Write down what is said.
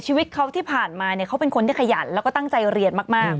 ชีวิตเขาที่ผ่านมาเนี่ยเขาเป็นคนที่ขยันแล้วก็ตั้งใจเรียนมาก